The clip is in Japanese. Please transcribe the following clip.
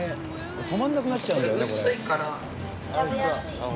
止まんなくなっちゃうんだよねこれ。